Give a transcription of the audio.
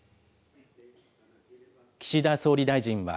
岸田総理大臣は。